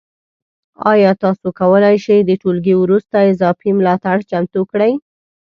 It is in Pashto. ایا تاسو کولی شئ د ټولګي وروسته اضافي ملاتړ چمتو کړئ؟